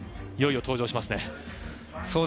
いよいよ登場しますね。